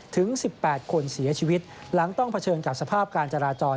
ถึง๑๘คนเสียชีวิตหลังต้องเผชิญกับสภาพการจราจร